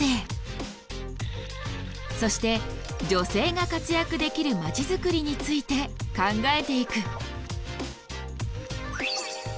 そして女性が活躍できる街づくりについて考えていく。